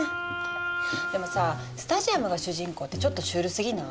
でもさぁスタジアムが主人公ってちょっとシュールすぎない？